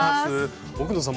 奥野さん